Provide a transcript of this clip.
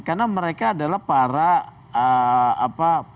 karena mereka adalah para apa